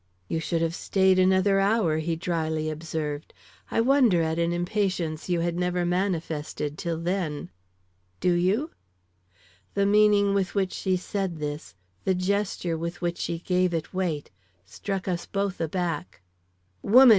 "You should have stayed another hour," he dryly observed. "I wonder at an impatience you had never manifested till then." "Do you?" The meaning with which she said this, the gesture with which she gave it weight, struck us both aback. "Woman!"